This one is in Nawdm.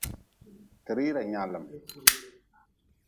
Ti rira nyaalm.